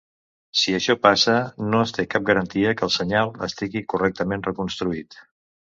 Si això passa, no es té cap garantia que el senyal estigui correctament reconstruït.